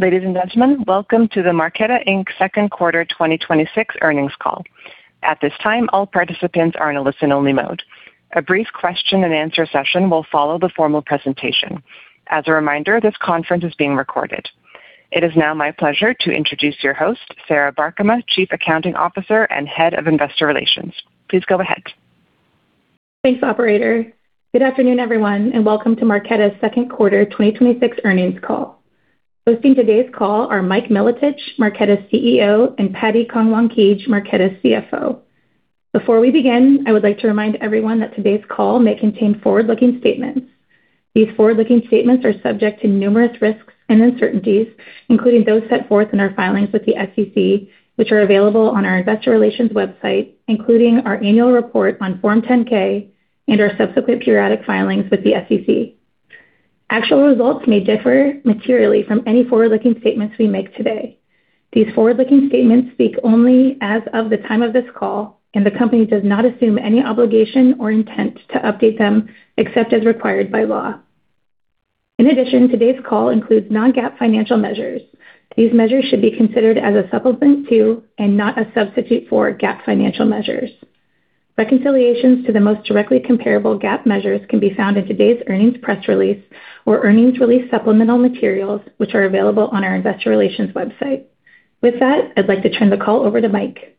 Ladies and gentlemen, welcome to the Marqeta, Inc. second quarter 2026 earnings call. At this time, all participants are in a listen-only mode. A brief question-and-answer session will follow the formal presentation. As a reminder, this conference is being recorded. It is now my pleasure to introduce your host, Sarah Barkema, Chief Accounting Officer and Head of Investor Relations. Please go ahead. Thanks, operator. Good afternoon, everyone, and welcome to Marqeta's second quarter 2026 earnings call. Hosting today's call are Mike Milotich, Marqeta's CEO, and Patti Kangwankij, Marqeta's CFO. Before we begin, I would like to remind everyone that today's call may contain forward-looking statements. These forward-looking statements are subject to numerous risks and uncertainties, including those set forth in our filings with the SEC, which are available on our Investor Relations website, including our annual report on Form 10-K and our subsequent periodic filings with the SEC. Actual results may differ materially from any forward-looking statements we make today. These forward-looking statements speak only as of the time of this call, and the company does not assume any obligation or intent to update them except as required by law. In addition, today's call includes non-GAAP financial measures. These measures should be considered as a supplement to and not a substitute for GAAP financial measures. Reconciliations to the most directly comparable GAAP measures can be found in today's earnings press release or earnings release supplemental materials, which are available on our Investor Relations website. I'd like to turn the call over to Mike.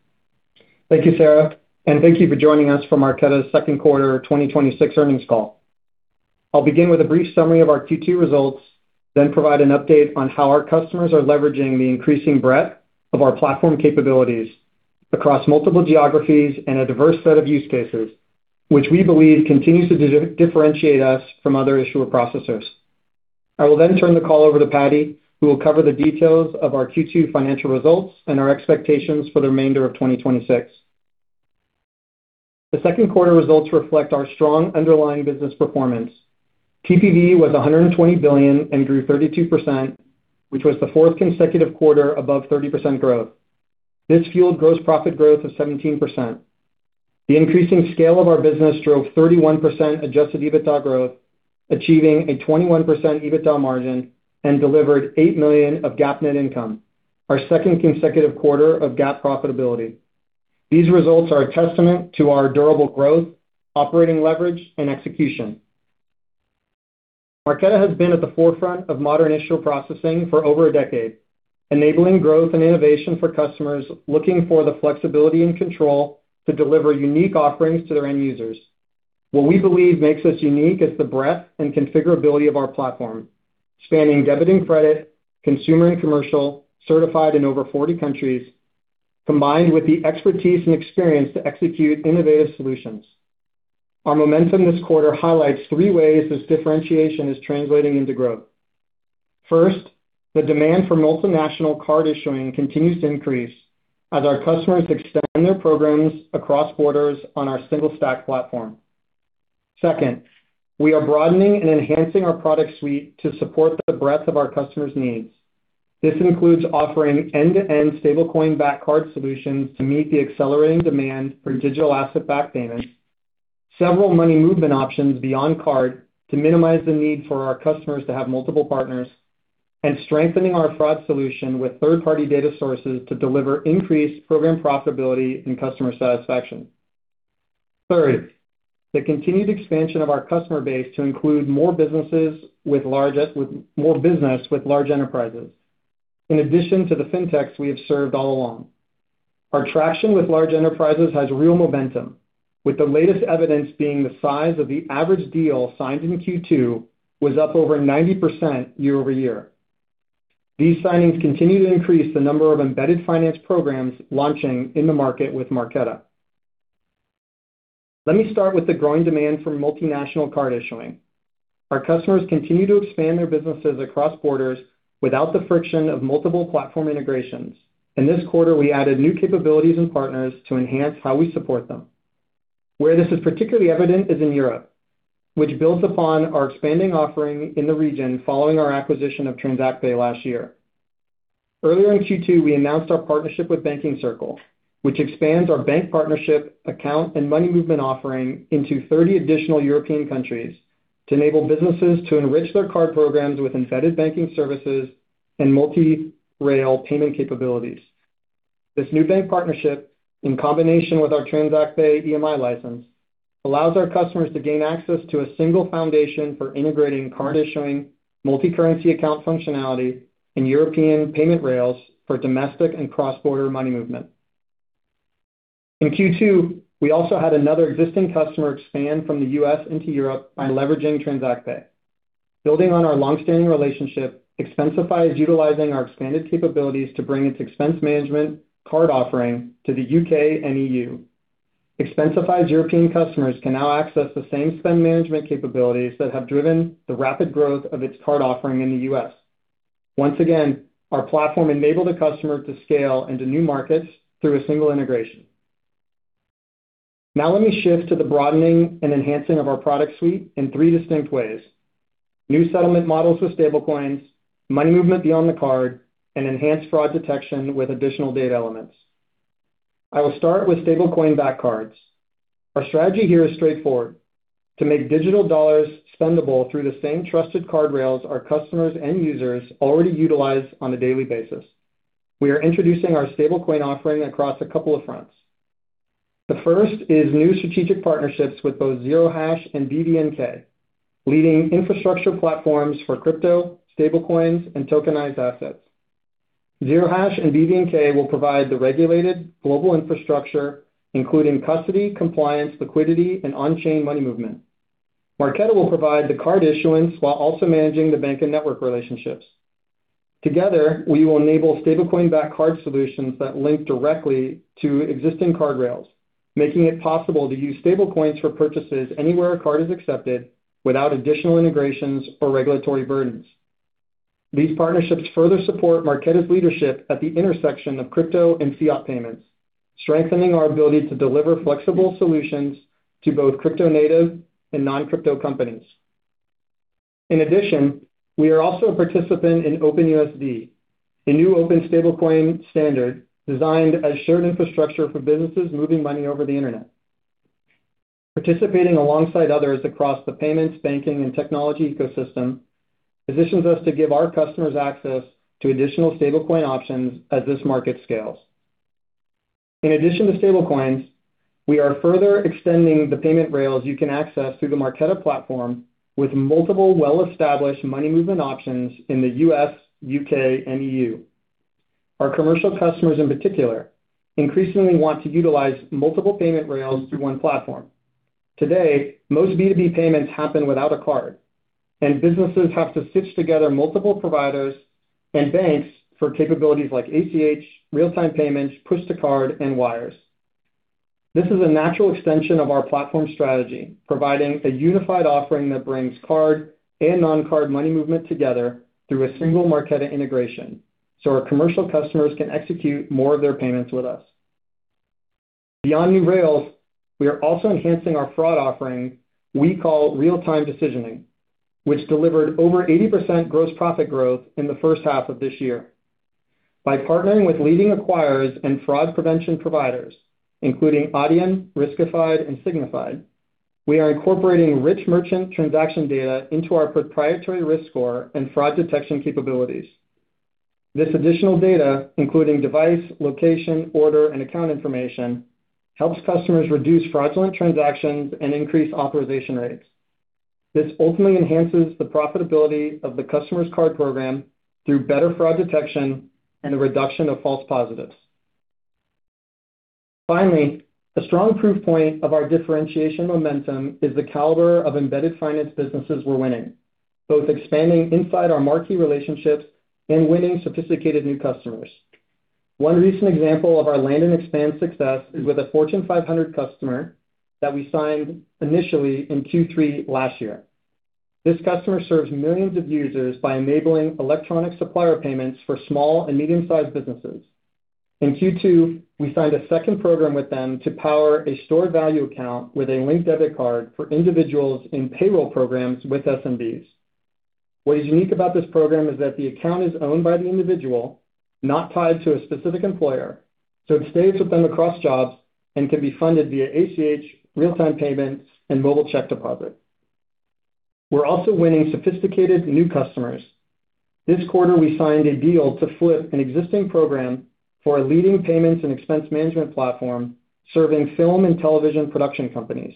Thank you, Sarah, and thank you for joining us for Marqeta's second quarter 2026 earnings call. I'll begin with a brief summary of our Q2 results, then provide an update on how our customers are leveraging the increasing breadth of our platform capabilities across multiple geographies and a diverse set of use cases, which we believe continues to differentiate us from other issuer processors. I will then turn the call over to Patti, who will cover the details of our Q2 financial results and our expectations for the remainder of 2026. The second quarter results reflect our strong underlying business performance. TPV was $120 billion and grew 32%, which was the fourth consecutive quarter above 30% growth. This fueled gross profit growth of 17%. The increasing scale of our business drove 31% adjusted EBITDA growth, achieving a 21% EBITDA margin and delivered $8 million of GAAP net income, our second consecutive quarter of GAAP profitability. These results are a testament to our durable growth, operating leverage, and execution. Marqeta has been at the forefront of modern issuer processing for over a decade, enabling growth and innovation for customers looking for the flexibility and control to deliver unique offerings to their end users. What we believe makes us unique is the breadth and configurability of our platform, spanning debit and credit, consumer and commercial, certified in over 40 countries, combined with the expertise and experience to execute innovative solutions. Our momentum this quarter highlights three ways this differentiation is translating into growth. First, the demand for multinational card issuing continues to increase as our customers extend their programs across borders on our single stack platform. Second, we are broadening and enhancing our product suite to support the breadth of our customers' needs. This includes offering end-to-end stablecoin-backed card solutions to meet the accelerating demand for digital asset-backed payments, several money movement options beyond card to minimize the need for our customers to have multiple partners, and strengthening our fraud solution with third-party data sources to deliver increased program profitability and customer satisfaction. Third, the continued expansion of our customer base to include more business with large enterprises, in addition to the fintechs we have served all along. Our traction with large enterprises has real momentum, with the latest evidence being the size of the average deal signed in Q2 was up over 90% year-over-year. These signings continue to increase the number of embedded finance programs launching in the market with Marqeta. Let me start with the growing demand for multinational card issuing. Our customers continue to expand their businesses across borders without the friction of multiple platform integrations. In this quarter, we added new capabilities and partners to enhance how we support them. Where this is particularly evident is in Europe, which builds upon our expanding offering in the region following our acquisition of TransactPay last year. Earlier in Q2, we announced our partnership with Banking Circle, which expands our bank partnership account and money movement offering into 30 additional European countries to enable businesses to enrich their card programs with embedded banking services and multi-rail payment capabilities. This new bank partnership, in combination with our TransactPay EMI license, allows our customers to gain access to a single foundation for integrating card issuing, multi-currency account functionality, and European payment rails for domestic and cross-border money movement. In Q2, we also had another existing customer expand from the U.S. into Europe by leveraging TransactPay. Building on our long-standing relationship, Expensify is utilizing our expanded capabilities to bring its expense management card offering to the U.K. and E.U. Expensify's European customers can now access the same spend management capabilities that have driven the rapid growth of its card offering in the U.S. Once again, our platform enabled a customer to scale into new markets through a single integration. Let me shift to the broadening and enhancing of our product suite in three distinct ways: new settlement models with stablecoins, money movement beyond the card, and enhanced fraud detection with additional data elements. I will start with stablecoin-backed cards. Our strategy here is straightforward, to make digital dollars spendable through the same trusted card rails our customers and users already utilize on a daily basis. We are introducing our stablecoin offering across a couple of fronts. The first is new strategic partnerships with both zerohash and BVNK, leading infrastructure platforms for crypto, stablecoins, and tokenized assets, zerohash and BVNK will provide the regulated global infrastructure, including custody, compliance, liquidity, and on-chain money movement. Marqeta will provide the card issuance while also managing the bank and network relationships. Together, we will enable stablecoin-backed card solutions that link directly to existing card rails, making it possible to use stablecoins for purchases anywhere a card is accepted without additional integrations or regulatory burdens. In addition, these partnerships further support Marqeta's leadership at the intersection of crypto and fiat payments, strengthening our ability to deliver flexible solutions to both crypto native and non-crypto companies. In addition, we are also a participant in Open USD, a new open stablecoin standard designed as shared infrastructure for businesses moving money over the internet. Participating alongside others across the payments, banking, and technology ecosystem positions us to give our customers access to additional stablecoin options as this market scales. In addition to stablecoins, we are further extending the payment rails you can access through the Marqeta platform with multiple well-established money movement options in the U.S., U.K., and E.U. Our commercial customers in particular, increasingly want to utilize multiple payment rails through one platform. Today, most B2B payments happen without a card, and businesses have to stitch together multiple providers and banks for capabilities like ACH, real-time payments, push to card, and wires. This is a natural extension of our platform strategy, providing a unified offering that brings card and non-card money movement together through a single Marqeta integration, so our commercial customers can execute more of their payments with us. Beyond new rails, we are also enhancing our fraud offering we call Real-Time Decisioning, which delivered over 80% gross profit growth in the first half of this year. By partnering with leading acquirers and fraud prevention providers, including Adyen, Riskified and Signifyd, we are incorporating rich merchant transaction data into our proprietary risk score and fraud detection capabilities. This additional data, including device, location, order, and account information, helps customers reduce fraudulent transactions and increase authorization rates. This ultimately enhances the profitability of the customer's card program through better fraud detection and a reduction of false positives. Finally, a strong proof point of our differentiation momentum is the caliber of embedded finance businesses we're winning, both expanding inside our marquee relationships and winning sophisticated new customers. One recent example of our land and expand success is with a Fortune 500 customer that we signed initially in Q3 last year. This customer serves millions of users by enabling electronic supplier payments for small and medium-sized businesses. In Q2, we signed a second program with them to power a stored value account with a linked debit card for individuals in payroll programs with SMBs. What is unique about this program is that the account is owned by the individual, not tied to a specific employer, so it stays with them across jobs and can be funded via ACH, real-time payments, and mobile check deposit. We're also winning sophisticated new customers. This quarter, we signed a deal to flip an existing program for a leading payments and expense management platform serving film and television production companies.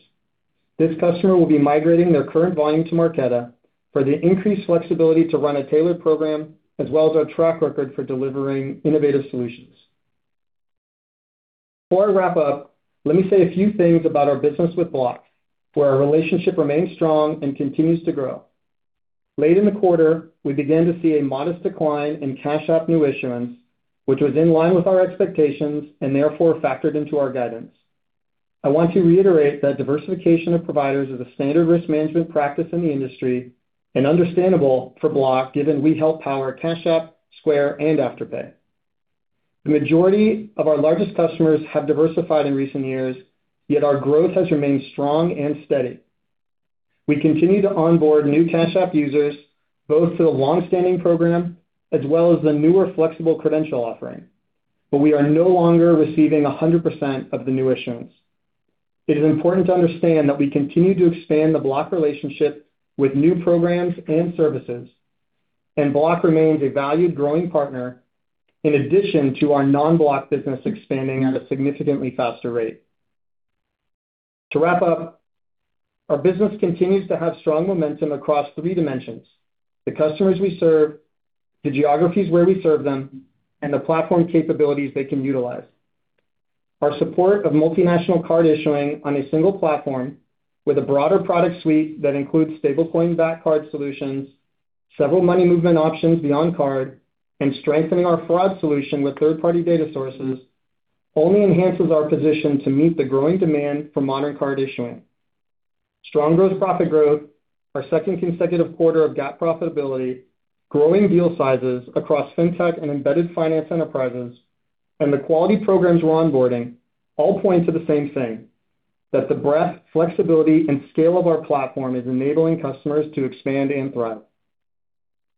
This customer will be migrating their current volume to Marqeta for the increased flexibility to run a tailored program, as well as our track record for delivering innovative solutions. Before I wrap up, let me say a few things about our business with Block, where our relationship remains strong and continues to grow. Late in the quarter, we began to see a modest decline in Cash App new issuance, which was in line with our expectations and therefore factored into our guidance. I want to reiterate that diversification of providers is a standard risk management practice in the industry and understandable for Block, given we help power Cash App, Square, and Afterpay. The majority of our largest customers have diversified in recent years, yet our growth has remained strong and steady. We continue to onboard new Cash App users, both to the long-standing program as well as the newer flexible credential offering, but we are no longer receiving 100% of the new issuance. It is important to understand that we continue to expand the Block relationship with new programs and services, and Block remains a valued growing partner in addition to our non-Block business expanding at a significantly faster rate. To wrap up, our business continues to have strong momentum across three dimensions: the customers we serve, the geographies where we serve them, and the platform capabilities they can utilize. Our support of multinational card issuing on a single platform with a broader product suite that includes stablecoin-backed card solutions, several money movement options beyond card, and strengthening our fraud solution with third-party data sources only enhances our position to meet the growing demand for modern card issuing. Strong gross profit growth, our second consecutive quarter of GAAP profitability, growing deal sizes across fintech and embedded finance enterprises, and the quality programs we're onboarding all point to the same thing, that the breadth, flexibility, and scale of our platform is enabling customers to expand and thrive.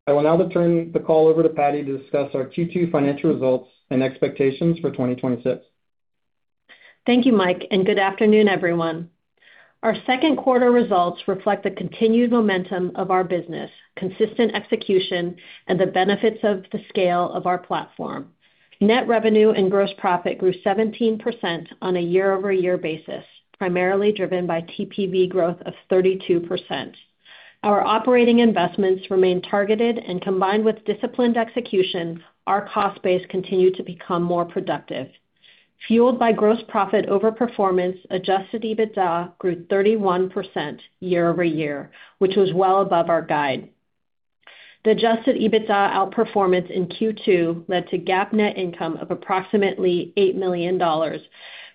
I will now turn the call over to Patti to discuss our Q2 financial results and expectations for 2026. Thank you, Mike, and good afternoon, everyone. Our second quarter results reflect the continued momentum of our business, consistent execution, and the benefits of the scale of our platform. Net revenue and gross profit grew 17% on a year-over-year basis, primarily driven by TPV growth of 32%. Our operating investments remain targeted and combined with disciplined execution, our cost base continued to become more productive. Fueled by gross profit over performance, adjusted EBITDA grew 31% year-over-year, which was well above our guide. The adjusted EBITDA outperformance in Q2 led to GAAP net income of approximately $8 million,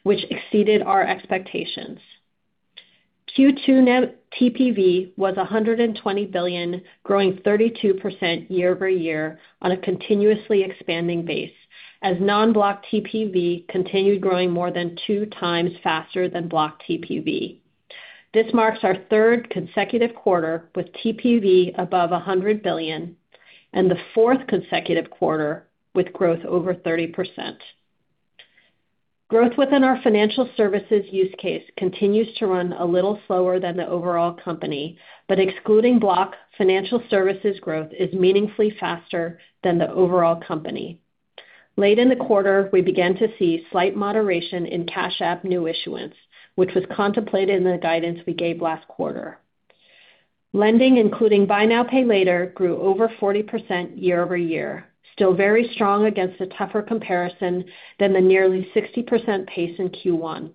which exceeded our expectations. Q2 net TPV was $120 billion, growing 32% year-over-year on a continuously expanding base as non-Block TPV continued growing more than 2x faster than Block TPV. This marks our third consecutive quarter with TPV above $100 billion and the fourth consecutive quarter with growth over 30%. Growth within our financial services use case continues to run a little slower than the overall company, but excluding Block, financial services growth is meaningfully faster than the overall company. Late in the quarter, we began to see slight moderation in Cash App new issuance, which was contemplated in the guidance we gave last quarter. Lending, including Buy Now, Pay Later, grew over 40% year-over-year. Still very strong against a tougher comparison than the nearly 60% pace in Q1.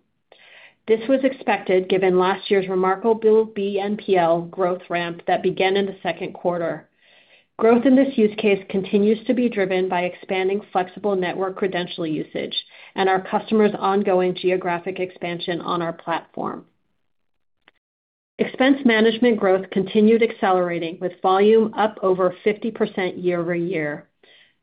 This was expected given last year's remarkable BNPL growth ramp that began in the second quarter. Growth in this use case continues to be driven by expanding flexible network credential usage and our customers' ongoing geographic expansion on our platform. Expense management growth continued accelerating with volume up over 50% year-over-year.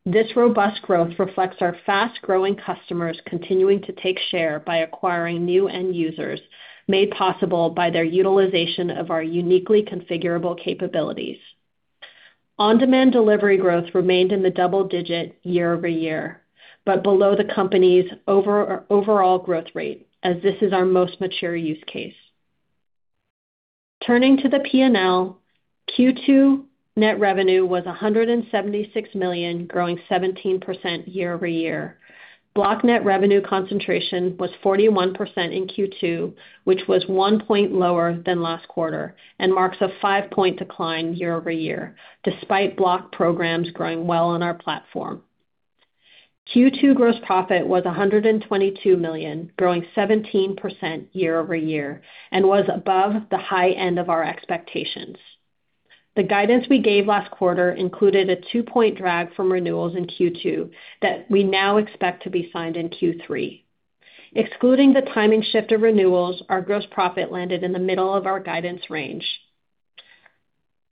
This robust growth reflects our fast-growing customers continuing to take share by acquiring new end users, made possible by their utilization of our uniquely configurable capabilities. On-demand delivery growth remained in the double-digit year-over-year, but below the company's overall growth rate, as this is our most mature use case. Turning to the P&L, Q2 net revenue was $176 million, growing 17% year-over-year. Block net revenue concentration was 41% in Q2, which was 1 point lower than last quarter and marks a 5-point decline year-over-year, despite Block programs growing well on our platform. Q2 gross profit was $122 million, growing 17% year-over-year, and was above the high end of our expectations. The guidance we gave last quarter included a 2-point drag from renewals in Q2 that we now expect to be signed in Q3. Excluding the timing shift of renewals, our gross profit landed in the middle of our guidance range.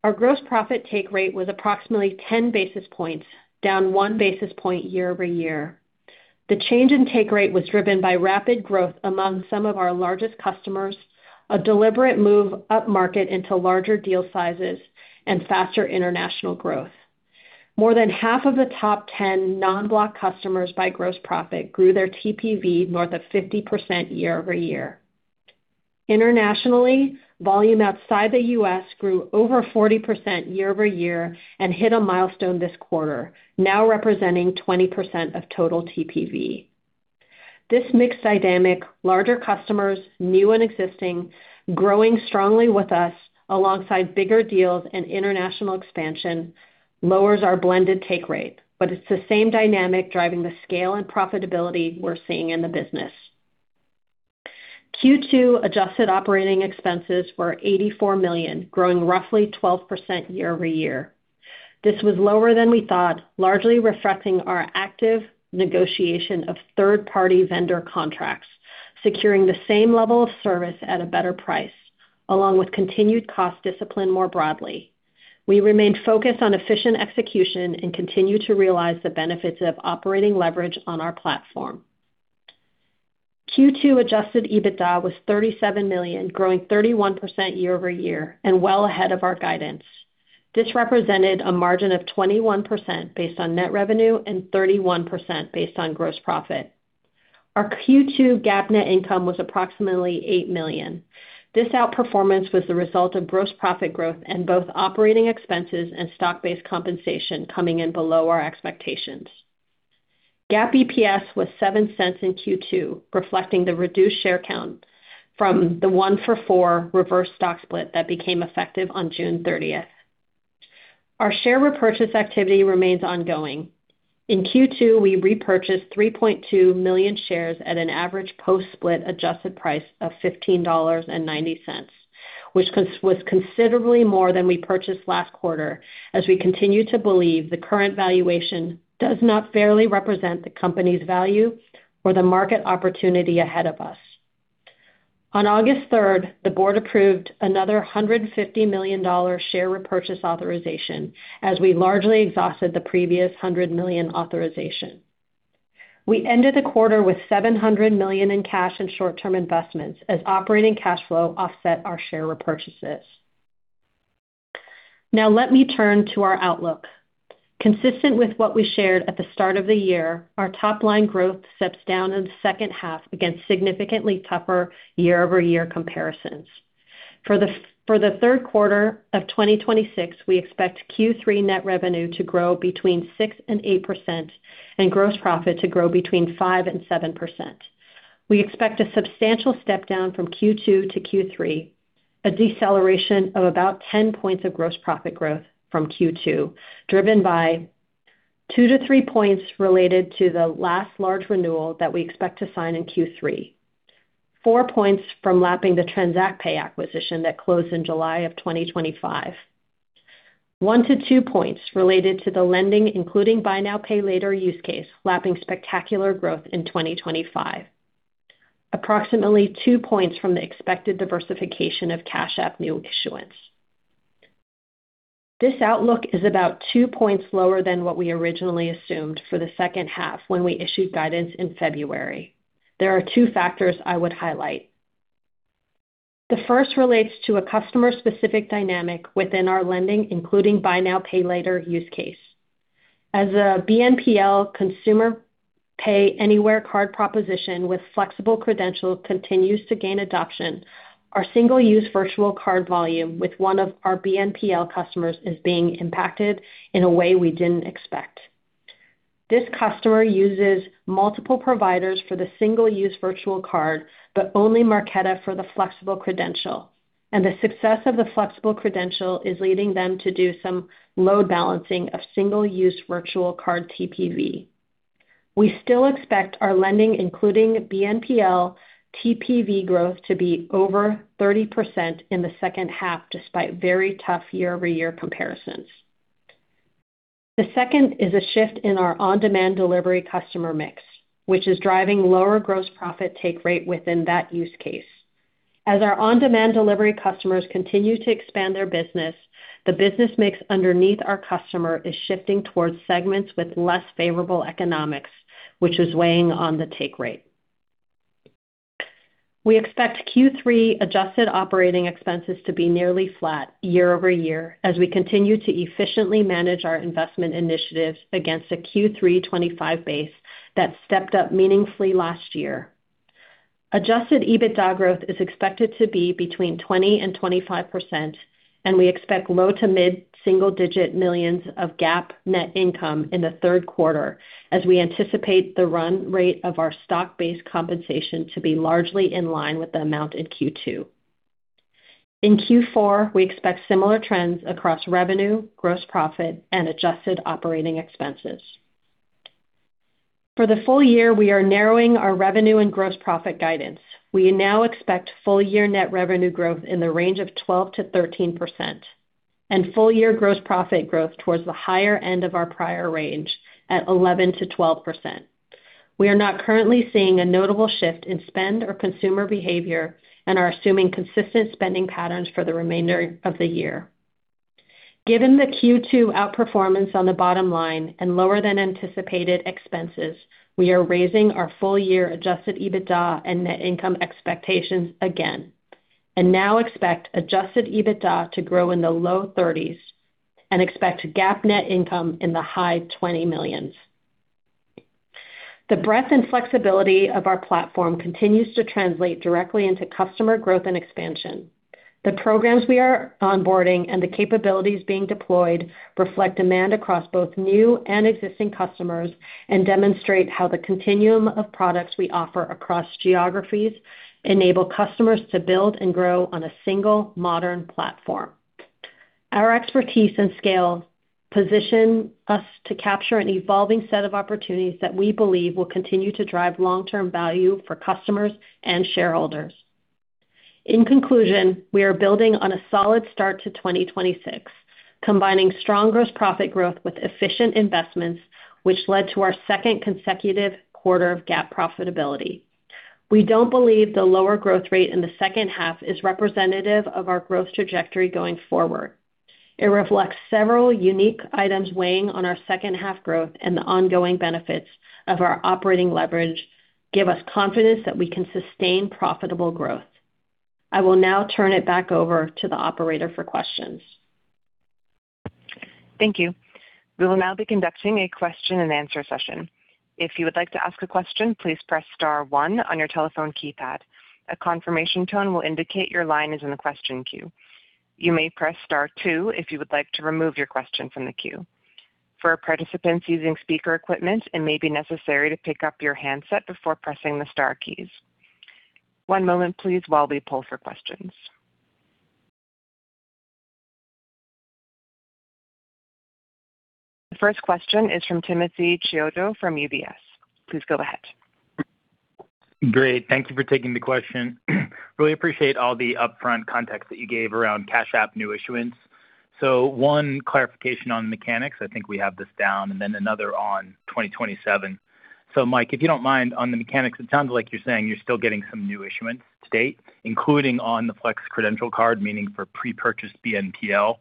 Our gross profit take rate was approximately 10 basis points, down 1 basis point year-over-year. The change in take rate was driven by rapid growth among some of our largest customers, a deliberate move upmarket into larger deal sizes, and faster international growth. More than half of the top 10 non-Block customers by gross profit grew their TPV more than 50% year-over-year. Internationally, volume outside the U.S. grew over 40% year-over-year and hit a milestone this quarter, now representing 20% of total TPV. This mixed dynamic, larger customers, new and existing, growing strongly with us alongside bigger deals and international expansion, lowers our blended take rate. It's the same dynamic driving the scale and profitability we're seeing in the business. Q2 adjusted operating expenses were $84 million, growing roughly 12% year-over-year. This was lower than we thought, largely reflecting our active negotiation of third-party vendor contracts, securing the same level of service at a better price, along with continued cost discipline more broadly. We remain focused on efficient execution and continue to realize the benefits of operating leverage on our platform. Q2 adjusted EBITDA was $37 million, growing 31% year-over-year, and well ahead of our guidance. This represented a margin of 21% based on net revenue and 31% based on gross profit. Our Q2 GAAP net income was approximately $8 million. This outperformance was the result of gross profit growth and both operating expenses and stock-based compensation coming in below our expectations. GAAP EPS was $0.07 in Q2, reflecting the reduced share count from the 1-for-4 reverse stock split that became effective on June 30th. Our share repurchase activity remains ongoing. In Q2, we repurchased 3.2 million shares at an average post-split adjusted price of $15.90, which was considerably more than we purchased last quarter, as we continue to believe the current valuation does not fairly represent the company's value or the market opportunity ahead of us. On August 3rd, the board approved another $150 million share repurchase authorization, as we largely exhausted the previous $100 million authorization. We ended the quarter with $700 million in cash and short-term investments as operating cash flow offset our share repurchases. Now let me turn to our outlook. Consistent with what we shared at the start of the year, our top-line growth steps down in the second half against significantly tougher year-over-year comparisons. For the third quarter of 2026, we expect Q3 net revenue to grow between 6% and 8% and gross profit to grow between 5% and 7%. We expect a substantial step-down from Q2 to Q3, a deceleration of about 10 points of gross profit growth from Q2, driven by 2 points-3 points related to the last large renewal that we expect to sign in Q3. 4 points from lapping the TransactPay acquisition that closed in July of 2025. 1 points-2 points related to the lending, including Buy Now, Pay Later use case, lapping spectacular growth in 2025. Approximately 2 points from the expected diversification of Cash App new issuance. This outlook is about 2 points lower than what we originally assumed for the second half when we issued guidance in February. There are two factors I would highlight. The first relates to a customer-specific dynamic within our lending, including Buy Now, Pay Later use case. As a BNPL consumer pay anywhere card proposition with flexible credentials continues to gain adoption, our single-use virtual card volume with one of our BNPL customers is being impacted in a way we didn't expect. This customer uses multiple providers for the single-use virtual card, but only Marqeta for the flexible credential, and the success of the flexible credential is leading them to do some load balancing of single-use virtual card TPV. We still expect our lending, including BNPL TPV growth, to be over 30% in the second half, despite very tough year-over-year comparisons. The second is a shift in our on-demand delivery customer mix, which is driving lower gross profit take rate within that use case. As our on-demand delivery customers continue to expand their business, the business mix underneath our customer is shifting towards segments with less favorable economics, which is weighing on the take rate. We expect Q3 adjusted operating expense to be nearly flat year-over-year as we continue to efficiently manage our investment initiatives against a Q3 2025 base that stepped up meaningfully last year. Adjusted EBITDA growth is expected to be between 20% and 25%, and we expect low to mid single digit millions of GAAP net income in the third quarter, as we anticipate the run rate of our stock-based compensation to be largely in line with the amount in Q2. In Q4, we expect similar trends across revenue, gross profit, and adjusted operating expense. For the full year, we are narrowing our revenue and gross profit guidance. We now expect full-year net revenue growth in the range of 12%-13% and full-year gross profit growth towards the higher end of our prior range at 11%-12%. We are not currently seeing a notable shift in spend or consumer behavior and are assuming consistent spending patterns for the remainder of the year. Given the Q2 outperformance on the bottom line and lower than anticipated expenses, we are raising our full-year adjusted EBITDA and net income expectations again and now expect adjusted EBITDA to grow in the low 30s and expect GAAP net income in the high $20 million. The breadth and flexibility of our platform continues to translate directly into customer growth and expansion. The programs we are onboarding and the capabilities being deployed reflect demand across both new and existing customers and demonstrate how the continuum of products we offer across geographies enable customers to build and grow on a single modern platform. Our expertise and scale position us to capture an evolving set of opportunities that we believe will continue to drive long-term value for customers and shareholders. In conclusion, we are building on a solid start to 2026, combining strong gross profit growth with efficient investments, which led to our second consecutive quarter of GAAP profitability. We don't believe the lower growth rate in the second half is representative of our growth trajectory going forward. It reflects several unique items weighing on our second half growth, and the ongoing benefits of our operating leverage give us confidence that we can sustain profitable growth. I will now turn it back over to the operator for questions. Thank you. We will now be conducting a question-and-answer session. If you would like to ask a question, please press star one on your telephone keypad. A confirmation tone will indicate your line is in the question queue. You may press star two if you would like to remove your question from the queue. For participants using speaker equipment, it may be necessary to pick up your handset before pressing the star keys. One moment please while we pull for questions. The first question is from Timothy Chiodo from UBS. Please go ahead. Great. Thank you for taking the question. Really appreciate all the upfront context that you gave around Cash App new issuance. One clarification on the mechanics, I think we have this down, and then another on 2027. Mike, if you don't mind, on the mechanics, it sounds like you're saying you're still getting some new issuance to date, including on the flex credential card, meaning for pre-purchased BNPL.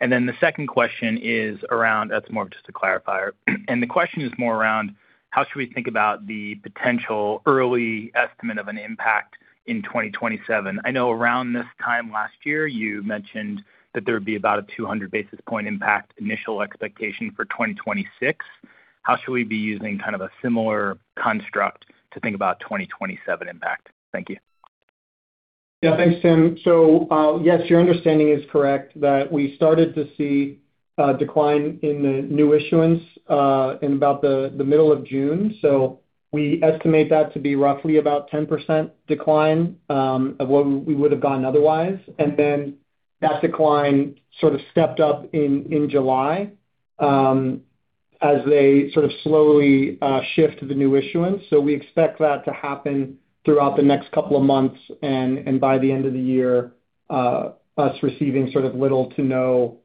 The second question is around, that's more of just a clarifier. The question is more around, how should we think about the potential early estimate of an impact in 2027? I know around this time last year, you mentioned that there would be about a 200 basis point impact initial expectation for 2026. How should we be using kind of a similar construct to think about 2027 impact? Thank you. Yeah. Thanks, Tim. Yes, your understanding is correct that we started to see a decline in the new issuance in about the middle of June. We estimate that to be roughly about 10% decline, of what we would have gotten otherwise. That decline sort of stepped up in July, as they sort of slowly shift the new issuance. We expect that to happen throughout the next couple of months, and by the end of the year, us receiving sort of little to no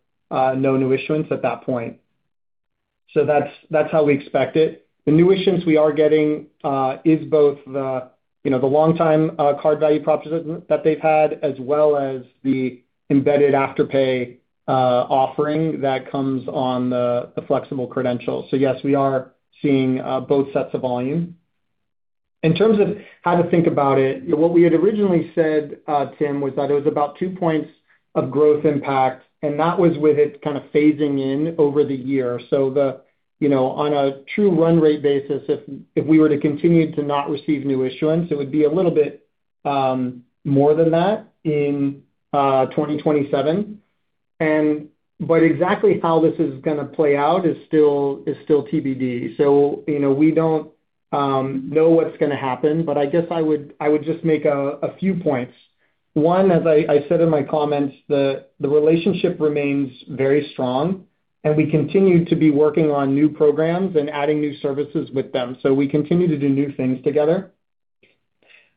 new issuance at that point. That's how we expect it. The new issuance we are getting, is both the long-time card value proposition that they've had, as well as the embedded Afterpay offering that comes on the flexible credentials. Yes, we are seeing both sets of volume. In terms of how to think about it, what we had originally said, Tim, was that it was about 2 points of growth impact, and that was with it kind of phasing in over the year. On a true run rate basis, if we were to continue to not receive new issuance, it would be a little bit more than that in 2027. Exactly how this is going to play out is still TBD. We don't know what's going to happen. I guess I would just make a few points. One, as I said in my comments, the relationship remains very strong, and we continue to be working on new programs and adding new services with them. We continue to do new things together.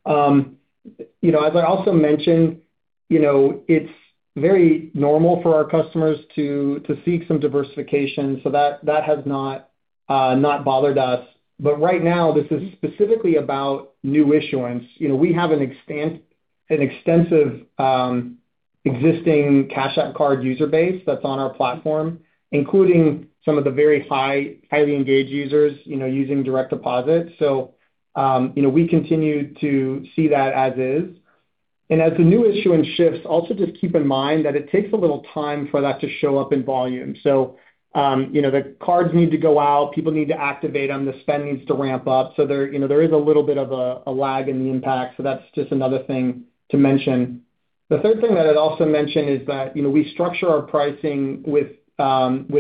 As I also mentioned, it's very normal for our customers to seek some diversification, that has not bothered us. Right now, this is specifically about new issuance. We have an extensive existing Cash App card user base that's on our platform, including some of the very highly engaged users using direct deposit. We continue to see that as is. As the new issuance shifts, also just keep in mind that it takes a little time for that to show up in volume. The cards need to go out, people need to activate them, the spend needs to ramp up. There is a little bit of a lag in the impact, that's just another thing to mention. The third thing that I'd also mention is that we structure our pricing with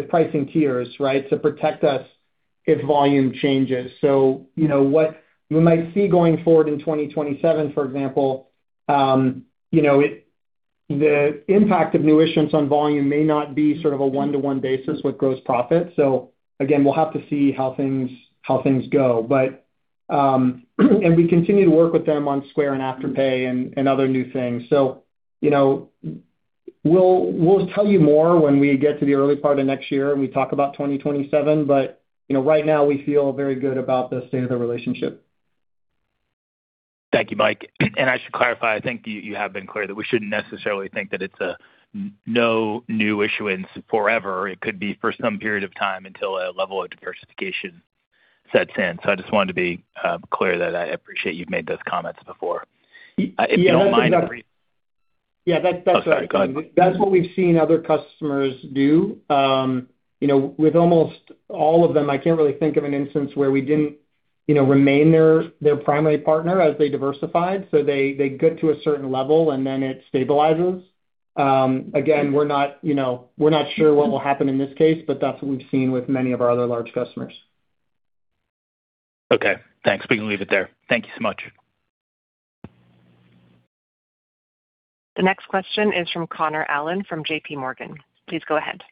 pricing tiers, right? To protect us if volume changes. What we might see going forward in 2027, for example, the impact of new issuance on volume may not be sort of a one-to-one basis with gross profit. Again, we'll have to see how things go. And we continue to work with them on Square and Afterpay and other new things. We'll tell you more when we get to the early part of next year and we talk about 2027. Right now we feel very good about the state of the relationship. Thank you, Mike. I should clarify, I think you have been clear that we shouldn't necessarily think that it's a no new issuance forever. It could be for some period of time until a level of diversification sets in. I just wanted to be clear that I appreciate you've made those comments before. If you don't mind. Yeah, that's what. Sorry. Go ahead. That's what we've seen other customers do. With almost all of them, I can't really think of an instance where we didn't remain their primary partner as they diversified. They get to a certain level and then it stabilizes. Again, we're not sure what will happen in this case, but that's what we've seen with many of our other large customers. Okay. Thanks. We can leave it there. Thank you so much. The next question is from Connor Allen from JPMorgan. Please go ahead.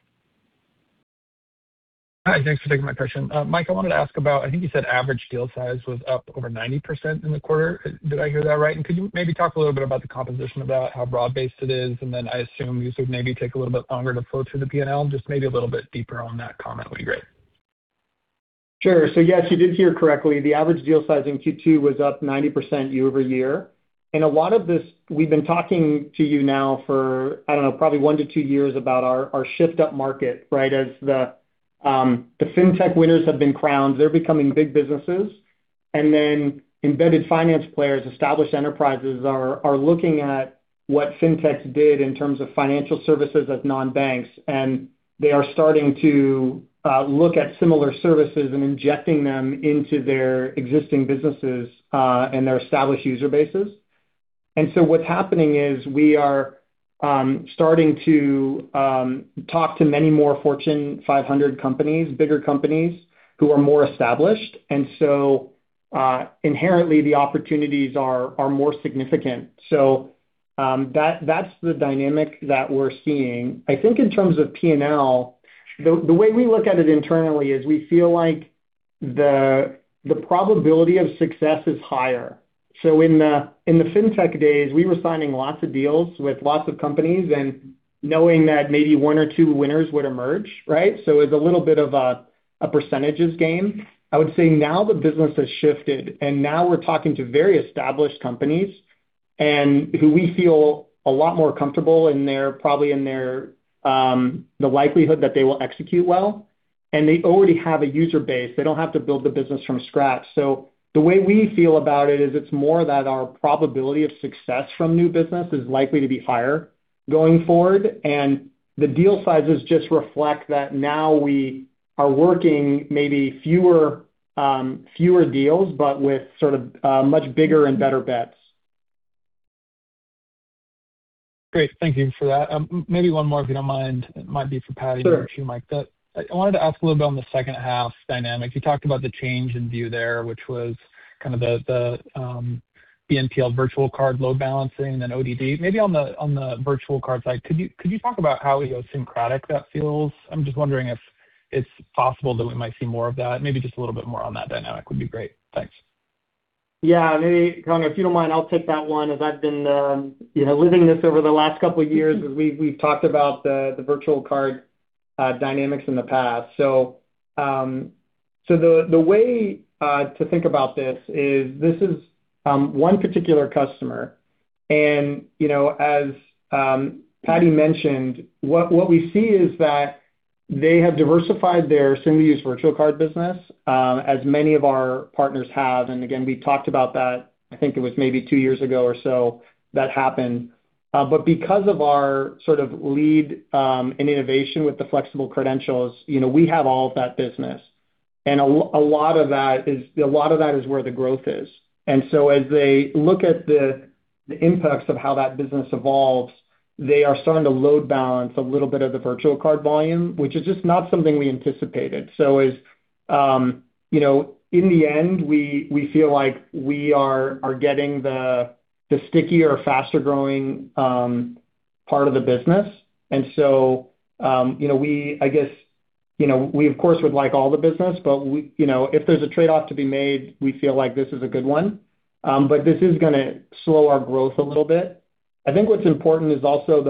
Hi. Thanks for taking my question. Mike, I wanted to ask about, I think you said average deal size was up over 90% in the quarter. Did I hear that right? Could you maybe talk a little bit about the composition of that, how broad-based it is, and then I assume these would maybe take a little bit longer to flow through the P&L. Maybe a little bit deeper on that comment would be great. Yes, you did hear correctly. The average deal size in Q2 was up 90% year-over-year. A lot of this, we've been talking to you now for, I don't know, probably one to two years about our shift upmarket, right? As the fintech winners have been crowned, they're becoming big businesses. Then embedded finance players, established enterprises, are looking at what fintechs did in terms of financial services as non-banks. They are starting to look at similar services and injecting them into their existing businesses and their established user bases. What's happening is we are starting to talk to many more Fortune 500 companies, bigger companies who are more established. Inherently the opportunities are more significant. That's the dynamic that we're seeing. I think in terms of P&L, the way we look at it internally is we feel like the probability of success is higher. In the fintech days, we were signing lots of deals with lots of companies and knowing that maybe one or two winners would emerge, right? It's a little bit of a percentages game. I would say now the business has shifted. Now we're talking to very established companies. Who we feel a lot more comfortable in the likelihood that they will execute well. They already have a user base. They don't have to build the business from scratch. The way we feel about it is, it's more that our probability of success from new business is likely to be higher going forward. The deal sizes just reflect that now we are working maybe fewer deals, but with sort of much bigger and better bets. Great. Thank you for that. Maybe one more, if you don't mind. It might be for Patti or you, Mike. Sure. I wanted to ask a little bit on the second half dynamics. You talked about the change in view there, which was kind of the BNPL virtual card load balancing, then ODD. On the virtual card side, could you talk about how idiosyncratic that feels? I'm just wondering if it's possible that we might see more of that. Just a little bit more on that dynamic would be great. Thanks. Yeah. Connor, if you don't mind, I'll take that one as I've been living this over the last couple of years, as we've talked about the virtual card dynamics in the past. The way to think about this is, this is one particular customer. As Patti mentioned, what we see is that they have diversified their single-use virtual card business, as many of our partners have. Again, we talked about that, I think it was maybe two years ago or so that happened. Because of our sort of lead in innovation with the flexible credentials, we have all of that business. A lot of that is where the growth is. As they look at the impacts of how that business evolves, they are starting to load balance a little bit of the virtual card volume, which is just not something we anticipated. As in the end, we feel like we are getting the stickier, faster-growing part of the business. I guess, we of course, would like all the business, but if there's a trade-off to be made, we feel like this is a good one. This is going to slow our growth a little bit. I think what's important is also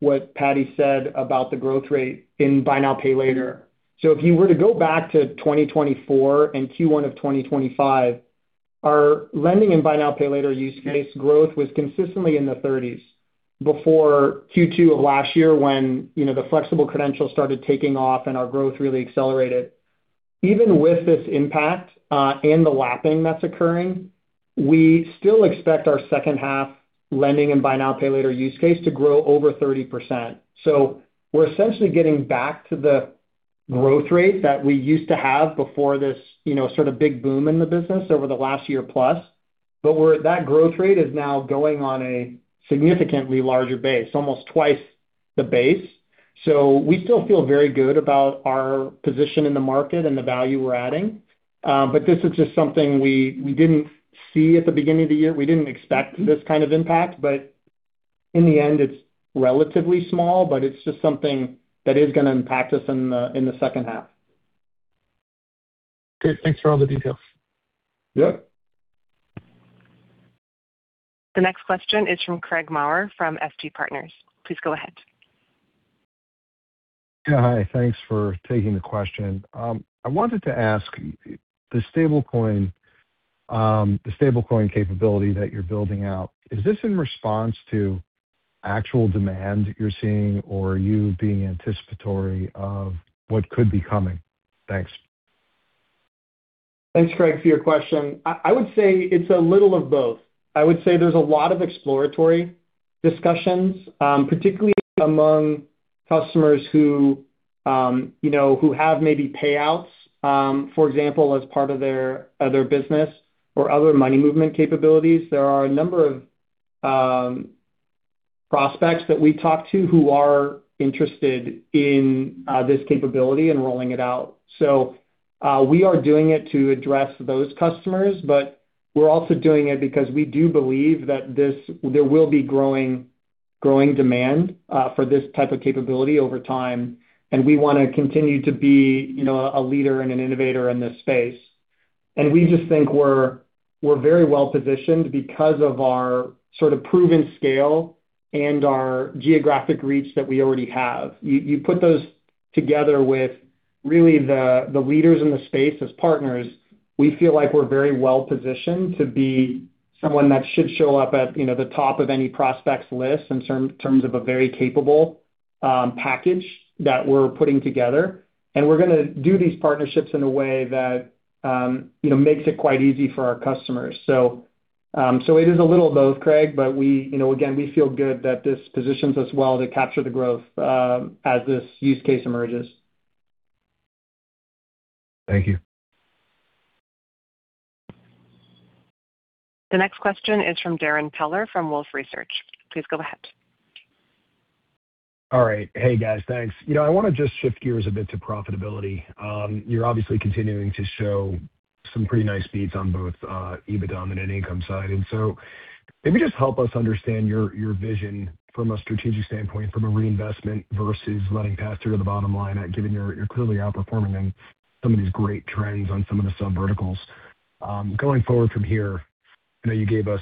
what Patti said about the growth rate in Buy Now, Pay Later. If you were to go back to 2024 and Q1 of 2025, our lending and Buy Now, Pay Later use case growth was consistently in the 30s before Q2 of last year when the flexible credentials started taking off and our growth really accelerated. Even with this impact and the lapping that's occurring, we still expect our second half lending and Buy Now, Pay Later use case to grow over 30%. We're essentially getting back to the growth rate that we used to have before this sort of big boom in the business over the last year plus. That growth rate is now going on a significantly larger base, almost twice the base. We still feel very good about our position in the market and the value we're adding. This is just something we didn't see at the beginning of the year. We didn't expect this kind of impact, but in the end, it's relatively small, but it's just something that is going to impact us in the second half. Great. Thanks for all the details. Yep. The next question is from Craig Maurer from FT Partners. Please go ahead. Yeah. Hi. Thanks for taking the question. I wanted to ask, the stablecoin capability that you're building out, is this in response to actual demand you're seeing, or are you being anticipatory of what could be coming? Thanks. Thanks, Craig, for your question. I would say it's a little of both. I would say there's a lot of exploratory discussions, particularly among customers who have maybe payouts, for example, as part of their other business or other money movement capabilities. There are a number of prospects that we talk to who are interested in this capability and rolling it out. We are doing it to address those customers, but we're also doing it because we do believe that there will be growing demand for this type of capability over time, and we want to continue to be a leader and an innovator in this space. We just think we're very well-positioned because of our sort of proven scale and our geographic reach that we already have. You put those together with really the leaders in the space as partners, we feel like we're very well-positioned to be someone that should show up at the top of any prospects list in terms of a very capable package that we're putting together. We're going to do these partnerships in a way that makes it quite easy for our customers. It is a little of both, Craig, but again, we feel good that this positions us well to capture the growth as this use case emerges. Thank you. The next question is from Darrin Peller from Wolfe Research. Please go ahead. All right. Hey, guys. Thanks. I want to just shift gears a bit to profitability. You're obviously continuing to show some pretty nice beats on both EBITDA and net income side. Maybe just help us understand your vision from a strategic standpoint, from a reinvestment versus letting pass through to the bottom line, given you're clearly outperforming in some of these great trends on some of the subverticals. Going forward from here, I know you gave us,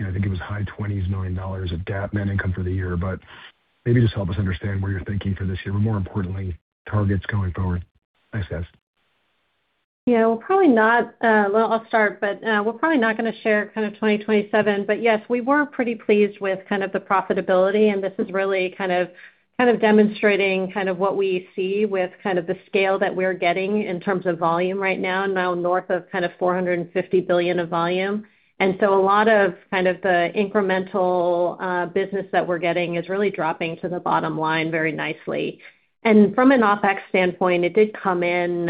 I think it was high $20s million of GAAP net income for the year, but maybe just help us understand where you're thinking for this year, but more importantly, targets going forward. Thanks, guys. I'll start. We're probably not going to share kind of 2027. Yes, we were pretty pleased with the profitability, and this is really demonstrating what we see with the scale that we're getting in terms of volume right now north of $450 billion of volume. A lot of the incremental business that we're getting is really dropping to the bottom line very nicely. From an OpEx standpoint, it did come in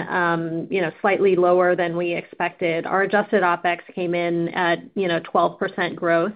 slightly lower than we expected. Our adjusted OpEx came in at 12% growth,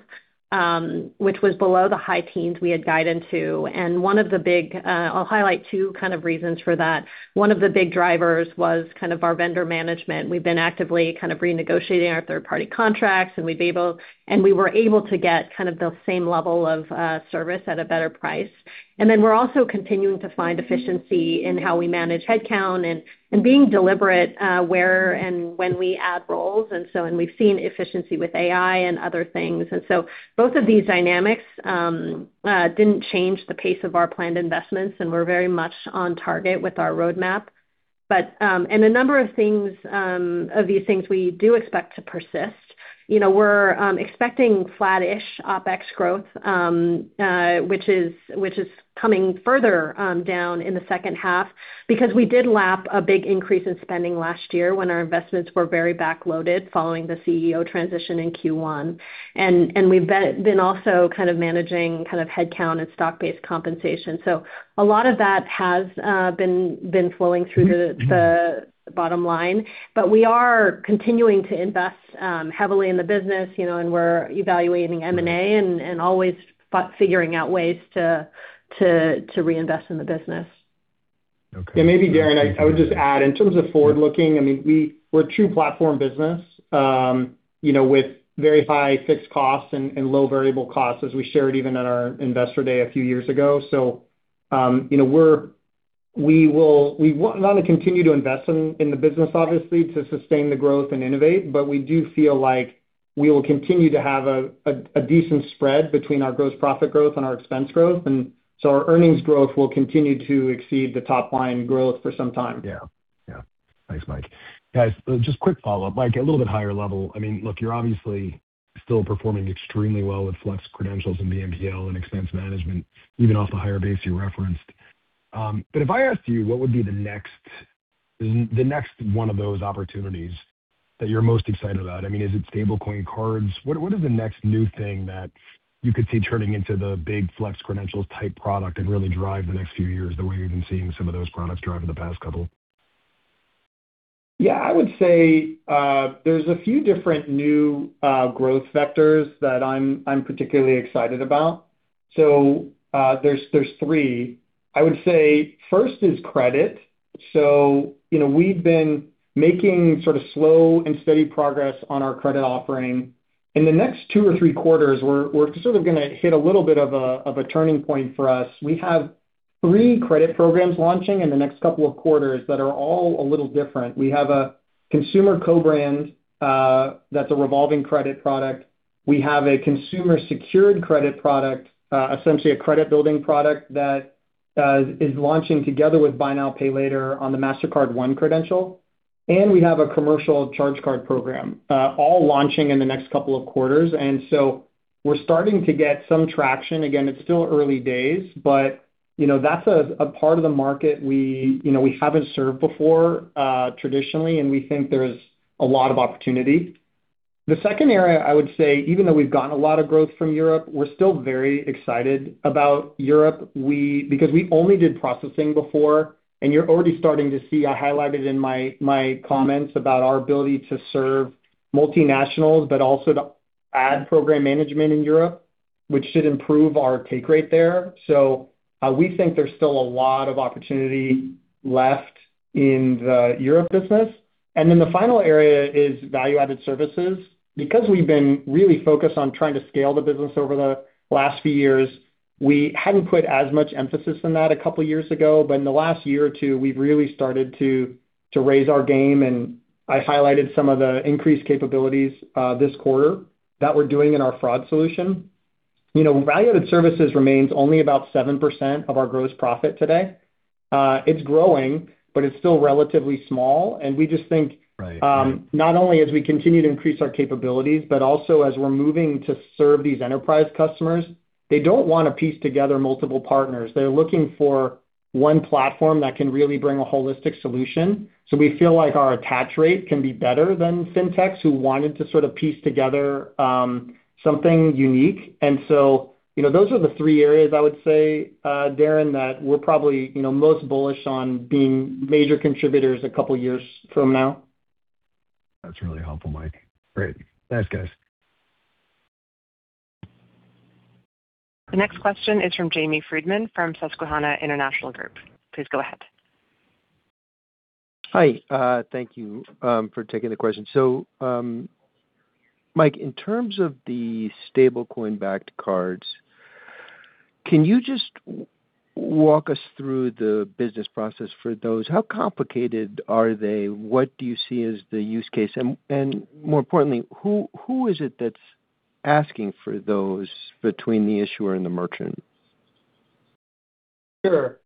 which was below the high teens we had guided to. I'll highlight two reasons for that. One of the big drivers was our vendor management. We've been actively renegotiating our third-party contracts, and we were able to get the same level of service at a better price. We're also continuing to find efficiency in how we manage headcount and being deliberate where and when we add roles. We've seen efficiency with AI and other things. Both of these dynamics didn't change the pace of our planned investments, and we're very much on target with our roadmap. A number of these things we do expect to persist. We're expecting flat-ish OpEx growth, which is coming further down in the second half because we did lap a big increase in spending last year when our investments were very back-loaded following the CEO transition in Q1. We've been also managing headcount and stock-based compensation. A lot of that has been flowing through to the bottom line. We are continuing to invest heavily in the business, and we're evaluating M&A and always figuring out ways to reinvest in the business. Okay. Maybe, Darrin, I would just add, in terms of forward-looking, we're a true platform business with very high fixed costs and low variable costs, as we shared even at our Investor Day a few years ago. We want to continue to invest in the business, obviously, to sustain the growth and innovate. We do feel like we will continue to have a decent spread between our gross profit growth and our expense growth. Our earnings growth will continue to exceed the top-line growth for some time. Yeah. Thanks, Mike. Guys, just quick follow-up. Mike, a little bit higher level. Look, you're obviously still performing extremely well with flex credentials and BNPL and expense management, even off the higher base you referenced. If I asked you, what would be the next one of those opportunities that you're most excited about? Is it stablecoin cards? What is the next new thing that you could see turning into the big flex credentials type product and really drive the next few years the way you've been seeing some of those products drive in the past couple? I would say there are a few different new growth vectors that I am particularly excited about. There are three. I would say first is credit. We have been making sort of slow and steady progress on our credit offering. In the next two or three quarters, we are sort of going to hit a little bit of a turning point for us. We have three credit programs launching in the next couple of quarters that are all a little different. We have a consumer co-brand that is a revolving credit product. We have a consumer secured credit product, essentially a credit building product that is launching together with Buy Now, Pay Later on the Mastercard One Credential. We have a commercial charge card program, all launching in the next couple of quarters. We are starting to get some traction. Again, it is still early days, but that is a part of the market we have not served before traditionally, and we think there is a lot of opportunity. The second area, I would say, even though we have gotten a lot of growth from Europe, we are still very excited about Europe because we only did processing before, and you are already starting to see, I highlighted in my comments about our ability to serve multinationals, but also to add program management in Europe, which should improve our take rate there. We think there is still a lot of opportunity left in the Europe business. The final area is value-added services. Because we have been really focused on trying to scale the business over the last few years, we had not put as much emphasis on that a couple of years ago. In the last year or two, we have really started to raise our game, and I highlighted some of the increased capabilities this quarter that we are doing in our fraud solution. Value-added services remains only about 7% of our gross profit today. It is growing, but it is still relatively small, and we just think. Right Not only as we continue to increase our capabilities, but also as we are moving to serve these enterprise customers, they do not want to piece together multiple partners. They are looking for one platform that can really bring a holistic solution. We feel like our attach rate can be better than fintechs who wanted to sort of piece together something unique. Those are the three areas I would say, Darrin, that we are probably most bullish on being major contributors a couple of years from now. That's really helpful, Mike. Great. Thanks, guys. The next question is from Jamie Friedman from Susquehanna International Group. Please go ahead. Hi. Thank you for taking the question. Mike, in terms of the stablecoin-backed cards, can you just walk us through the business process for those? How complicated are they? What do you see as the use case? More importantly, who is it that's asking for those between the issuer and the merchant? Sure.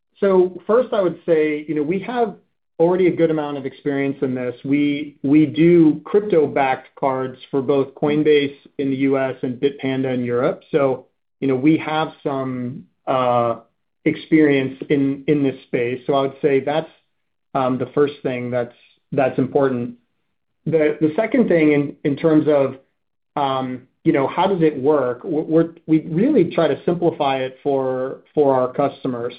First I would say, we have already a good amount of experience in this. We do crypto-backed cards for both Coinbase in the U.S. and Bitpanda in Europe. We have some experience in this space. I would say that's the first thing that's important. The second thing in terms of how does it work, we really try to simplify it for our customers.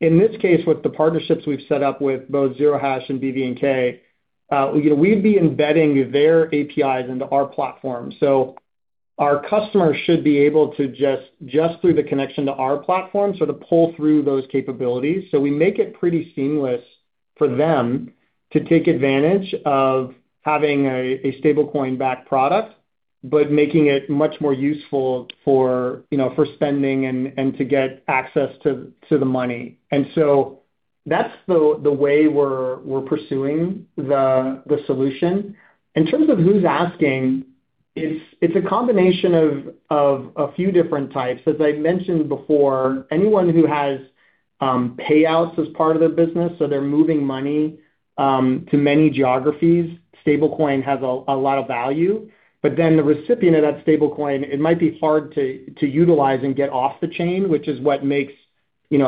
In this case, with the partnerships we've set up with both zerohash and BVNK, we'd be embedding their APIs into our platform. Our customers should be able to just through the connection to our platform, sort of pull through those capabilities. We make it pretty seamless for them to take advantage of having a stablecoin-backed product, but making it much more useful for spending and to get access to the money. That's the way we're pursuing the solution. In terms of who's asking, it's a combination of a few different types. As I mentioned before, anyone who has payouts as part of their business, they're moving money to many geographies, stable coin has a lot of value. The recipient of that stable coin, it might be hard to utilize and get off the chain, which is what makes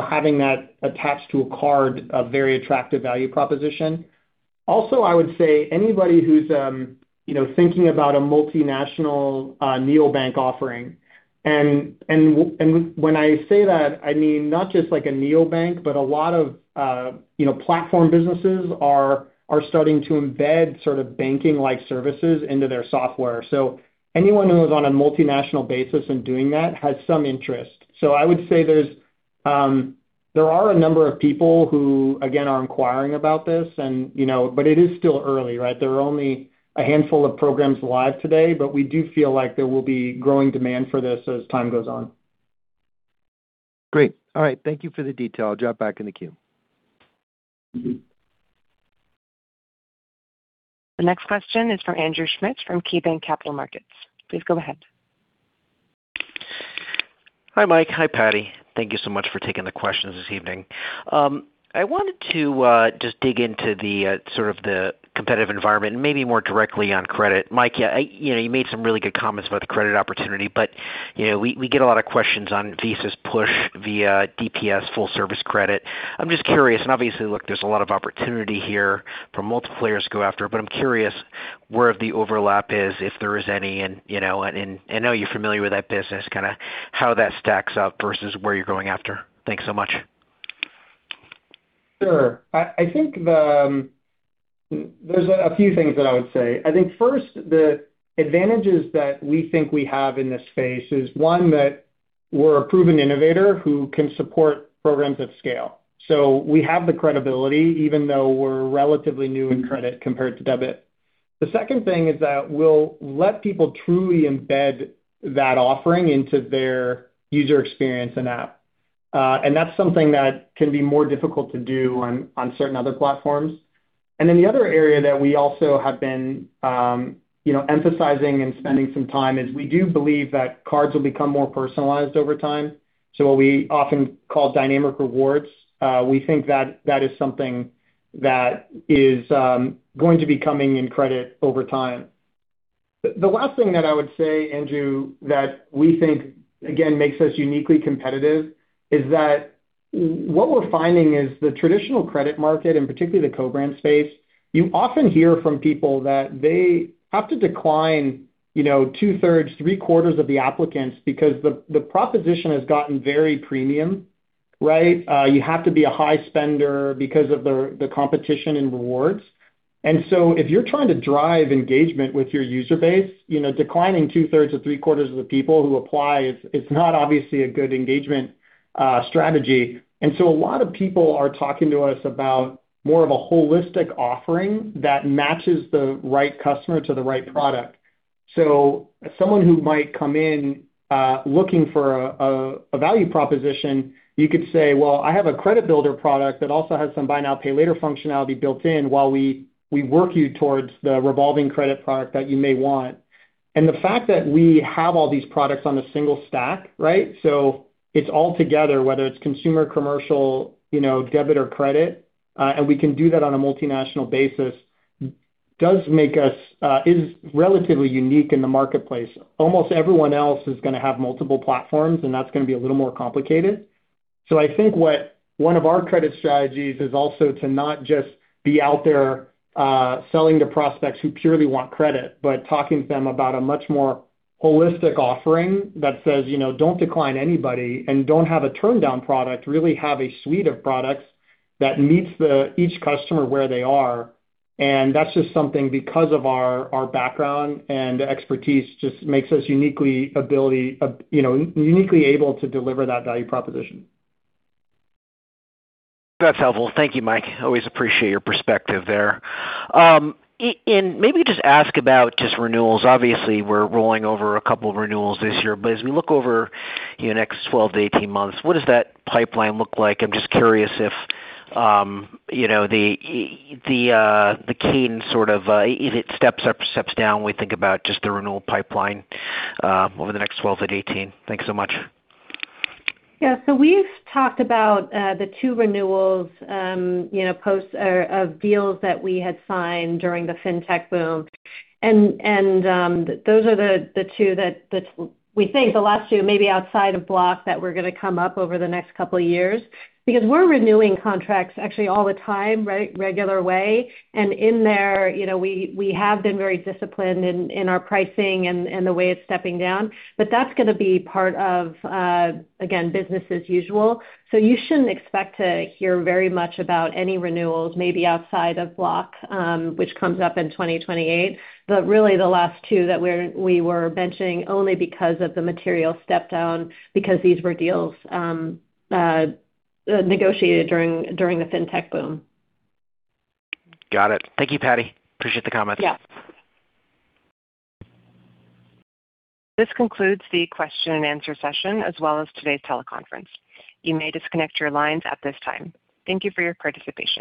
having that attached to a card a very attractive value proposition. I would say anybody who's thinking about a multinational neobank offering. When I say that, I mean not just like a neobank, but a lot of platform businesses are starting to embed sort of banking-like services into their software. Anyone who is on a multinational basis and doing that has some interest. I would say there are a number of people who, again, are inquiring about this, but it is still early, right? There are only a handful of programs live today, we do feel like there will be growing demand for this as time goes on. Great. All right. Thank you for the detail. I'll drop back in the queue. The next question is from Andrew Schmidt from KeyBanc Capital Markets. Please go ahead. Hi, Mike. Hi, Patti. Thank you so much for taking the questions this evening. I wanted to just dig into the sort of the competitive environment and maybe more directly on credit. Mike, you made some really good comments about the credit opportunity. We get a lot of questions on Visa's push via DPS full service credit. I'm just curious, obviously, look, there's a lot of opportunity here for multiplayers to go after. I'm curious where the overlap is, if there is any, and I know you're familiar with that business, kind of how that stacks up versus where you're going after. Thanks so much. Sure. I think there's a few things that I would say. I think first, the advantages that we think we have in this space is one, that we're a proven innovator who can support programs at scale. We have the credibility even though we're relatively new in credit compared to debit. The second thing is that we'll let people truly embed that offering into their user experience and app. That's something that can be more difficult to do on certain other platforms. The other area that we also have been emphasizing and spending some time is we do believe that cards will become more personalized over time. What we often call dynamic rewards, we think that is something that is going to be coming in credit over time. The last thing that I would say, Andrew, that we think, again, makes us uniquely competitive is that what we're finding is the traditional credit market and particularly the co-brand space, you often hear from people that they have to decline two-thirds, three-quarters of the applicants because the proposition has gotten very premium, right? You have to be a high spender because of the competition in rewards. If you're trying to drive engagement with your user base, declining two-thirds or three-quarters of the people who apply is not obviously a good engagement strategy. A lot of people are talking to us about more of a holistic offering that matches the right customer to the right product. Someone who might come in looking for a value proposition, you could say, "Well, I have a credit builder product that also has some Buy Now, Pay Later functionality built in while we work you towards the revolving credit product that you may want." The fact that we have all these products on a single stack, right? It's all together, whether it's consumer, commercial, debit, or credit, and we can do that on a multinational basis is relatively unique in the marketplace. Almost everyone else is going to have multiple platforms, and that's going to be a little more complicated. I think what one of our credit strategies is also to not just be out there selling to prospects who purely want credit, but talking to them about a much more holistic offering that says, "Don't decline anybody and don't have a turndown product. Really have a suite of products that meets each customer where they are." That's just something because of our background and expertise just makes us uniquely able to deliver that value proposition. That's helpful. Thank you, Mike. Always appreciate your perspective there. Maybe just ask about just renewals. Obviously, we're rolling over a couple of renewals this year, but as we look over the next 12 months-18 months, what does that pipeline look like? I'm just curious if the cadence sort of if it steps up or steps down when we think about just the renewal pipeline over the next 12 months-18 months. Thanks so much. Yeah. We've talked about the two renewals post of deals that we had signed during the fintech boom. Those are the two that we think the last two, maybe outside of Block that were going to come up over the next couple of years because we're renewing contracts actually all the time, right? Regular way. In there, we have been very disciplined in our pricing and the way it's stepping down. That's going to be part of, again, business as usual. You shouldn't expect to hear very much about any renewals, maybe outside of Block, which comes up in 2028. Really the last two that we were benching only because of the material step down because these were deals negotiated during the fintech boom. Got it. Thank you, Patti. Appreciate the comments. Yeah. This concludes the question-and-answer session as well as today's teleconference. You may disconnect your lines at this time. Thank you for your participation.